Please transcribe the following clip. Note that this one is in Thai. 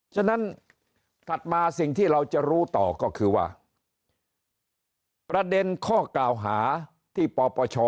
ฉะนั้นถัดมาสิ่งที่เราจะรู้ต่อก็คือว่าประเด็นข้อกล่าวหาที่ปปช